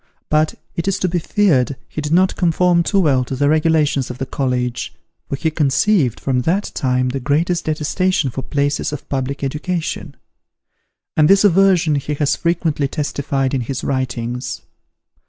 But, it is to be feared, he did not conform too well to the regulations of the college, for he conceived, from that time, the greatest detestation for places of public education. And this aversion he has frequently testified in his writings.